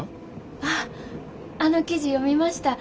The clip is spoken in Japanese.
あっあの記事読みました。